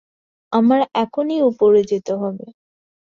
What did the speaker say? আমার এখনই উপরে যেতে হবে।